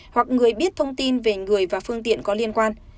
hoặc người biết thông tin về người và phương tiện có liên quan